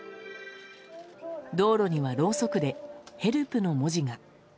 道路にはろうそくで「ＨＥＬＰ」の文字が。